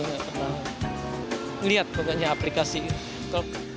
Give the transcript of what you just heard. nggak pernah melihat apikasi itu